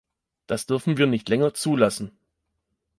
Das dürfen wir nicht länger zulassen!